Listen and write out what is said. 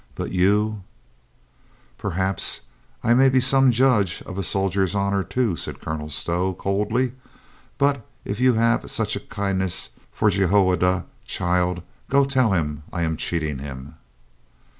But you —" "Perhaps I may be some judge of a soldier's honor, too," said Colonel Stow coldly. "But if you have such a kindness for Jehoiada, child, go tell him I am cheating him."